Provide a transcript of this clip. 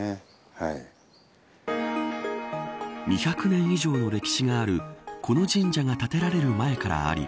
２００年以上の歴史があるこの神社が建てられる前からあり